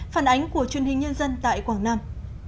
phản ánh của truyền hình nhân dân tại quảng nam